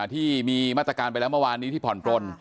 ที่มีมาตรการไปแล้วเมื่อวานนี้ที่ผ่อนปลน